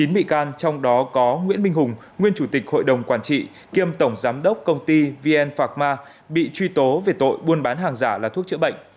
chín bị can trong đó có nguyễn minh hùng nguyên chủ tịch hội đồng quản trị kiêm tổng giám đốc công ty vn phạc ma bị truy tố về tội buôn bán hàng giả là thuốc chữa bệnh